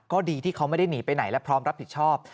ก็ดีที่เขาไม่ได้หนีไปไหนและพร้อมรับผิดชอบ